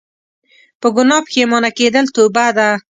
په ګناه پښیمانه کيدل توبه ده